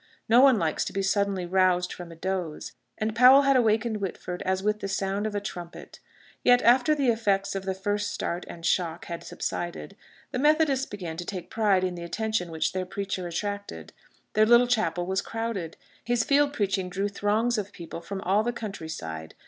No one likes to be suddenly roused from a doze, and Powell had awakened Whitford as with the sound of a trumpet. Yet, after the effects of the first start and shock had subsided, the Methodists began to take pride in the attention which their preacher attracted. Their little chapel was crowded. His field preaching drew throngs of people from all the country side.